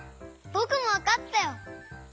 ぼくもわかったよ！